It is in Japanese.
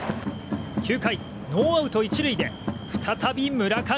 ９回、ノーアウト１塁で再び村上。